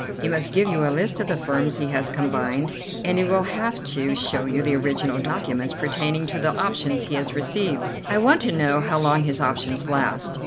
He must give you a list of the firms he has combined, and he will have to show you the original documents pertaining to the options he has received. I want to know how long his options last.